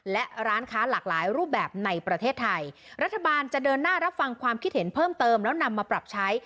และร้านค้าหลากหลายรูปแบบในประเทศไทยรัฐบาลจะเดินหน้ารับฟังความคิดเห็นเพิ่มเติมแล้วนำมาปรับใช้